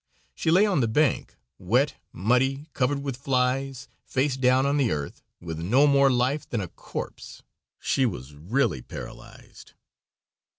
She lay on the bank, wet, muddy, covered with flies, face down on the earth, with no more life than a corpse. She was really paralyzed.